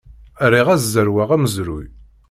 Riɣ ad zerweɣ amezruy.